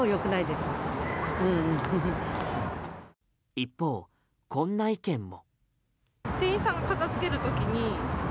一方、こんな意見も。